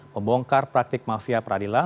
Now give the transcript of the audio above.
pembongkar praktik mafia peradilan